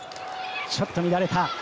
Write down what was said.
ちょっと乱れた。